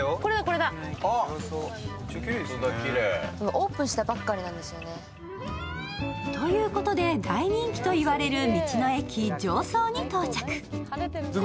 オープンしたばっかりなんですよね。ということで大人気といわれる道の駅常総に到着。